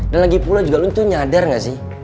dan lagi pula juga lo tuh nyadar gak sih